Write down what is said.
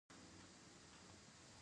ما د بڼوالۍ ژبه هم پاکه کړه.